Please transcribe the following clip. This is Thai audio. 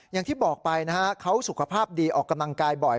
อย่างที่บอกไปนะฮะเขาสุขภาพดีออกกำลังกายบ่อย